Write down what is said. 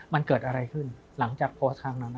มันเกิดอะไรขึ้นหลังจากโพสต์ทางนั้น